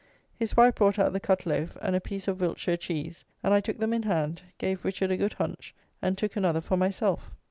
His wife brought out the cut loaf, and a piece of Wiltshire cheese, and I took them in hand, gave Richard a good hunch, and took another for myself.